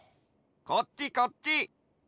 こっちこっち！